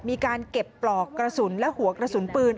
มีการเก็บปลอกกระสุนและหัวกระสุนปืน